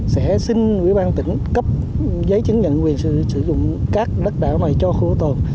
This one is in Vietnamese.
sẽ xin ủy ban tỉnh cấp giấy chứng nhận quyền sử dụng các đất đảo này cho khu bảo tồn